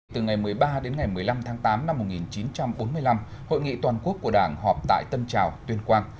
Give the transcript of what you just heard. từ ngày một mươi ba đến ngày một mươi năm tháng tám năm một nghìn chín trăm bốn mươi năm hội nghị toàn quốc của đảng họp tại tân trào tuyên quang